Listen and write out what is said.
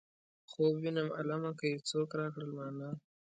خوب وينم عالمه که یې څوک راکړل مانا.